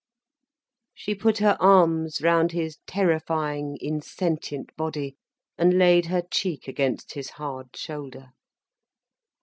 She put her arms round his terrifying, insentient body, and laid her cheek against his hard shoulder.